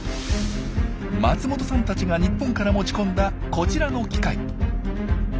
松本さんたちが日本から持ち込んだこちらの機械。